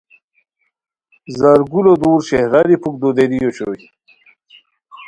زار گلو دُور شہراری پُھک دودیری اوشوئے